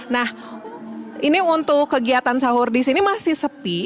nah ini untuk kegiatan sahur di sini masih sepi